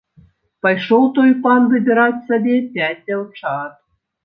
Пайшоў той пан выбіраць сабе пяць дзяўчат.